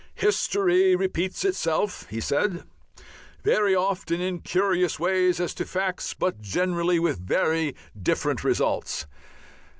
"History repeats itself," he said, "very often in curious ways as to facts, but generally with very different results."